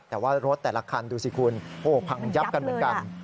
แต่ว่ารถแต่ละคันดูสิคุณโอ้พังยับกันเหมือนกัน